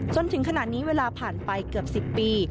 จนถึงขณะนี้เวลาผ่านไปเกือบ๑๐ปี